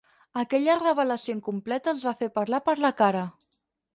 Aquella revelació incompleta els va fer parlar per la cara.